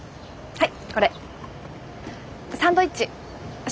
はい。